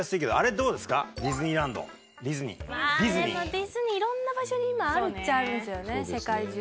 まあでもディズニー色んな場所に今あるっちゃあるんですよね世界中。